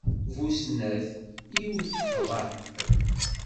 Bu snat, yiwet texḍa-t.